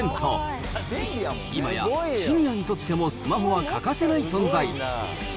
今やシニアにとってもスマホは欠かせない存在。